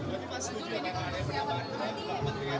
tapi pas itu dengan ada yang berani ya